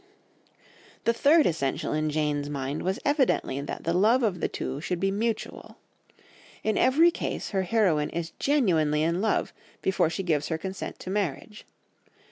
The third essential in Jane's mind was evidently that the love of the two should be mutual. In every case her heroine is genuinely in love before she gives her consent to marriage.